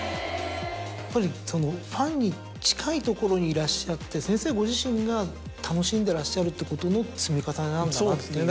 やっぱりファンに近いところにいらっしゃって先生ご自身が楽しんでらっしゃるってことの積み重ねなんだなっていう。